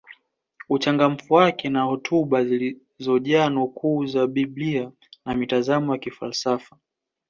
Uchangamfu wake na hotuba zilizojaa nukuu za biblia na mitazamo ya kifalsafa